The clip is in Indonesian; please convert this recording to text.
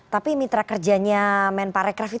tapi mitra kerjanya men parekraf itu